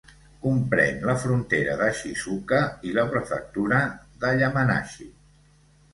Compren la frontera de Shizouka i la prefectura de Yamanashi.